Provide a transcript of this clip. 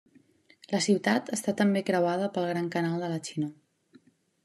La ciutat està també creuada pel Gran Canal de la Xina.